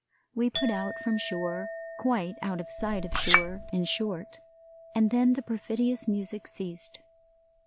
We put out from shore quite out of sight of shore, in short and then the perfidious music ceased.